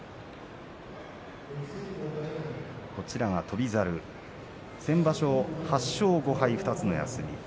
翔猿、先場所８勝５敗２つの休み。